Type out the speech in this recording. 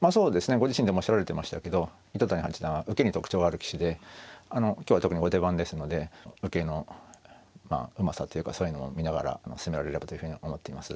ご自身でもおっしゃられてましたけど糸谷八段は受けに特徴がある棋士で今日は特に後手番ですので受けのまあうまさというかそういうのも見ながら進められればというふうに思っています。